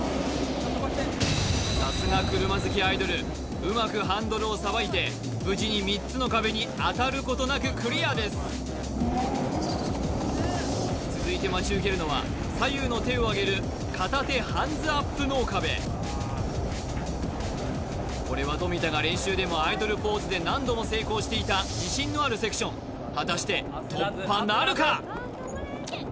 さすが車好きアイドルうまくハンドルをさばいて無事に３つの壁に当たることなくクリアです続いて待ち受けるのは左右の手をあげる片手ハンズアップ脳かべこれは富田が練習でもアイドルポーズで何度も成功していた自信のあるセクション果たして突破なるか？